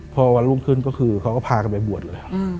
พอวันรุ่งขึ้นก็คือเขาก็พากันไปบวชเลย